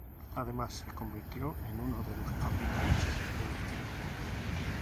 Además se convirtió en uno de los capitanes del equipo.